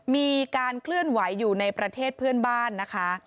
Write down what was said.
มีการเคลื่อนไหวอยู่ในประเทศเพื่อนบ้านนะคะ